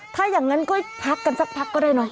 ถ้าอย่างนั้นก็พักกันสักพักก็ได้เนอะ